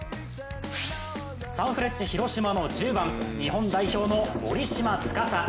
サンフレッチェ広島の１０番日本代表の森島司。